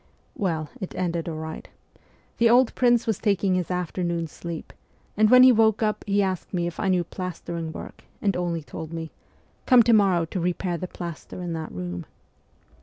Well, it ended all right. The old prince was taking his'afternoon sleep, and when he woke up he asked me if I knew plastering work, and only told me, " Come to morrow to repair the plaster in that room."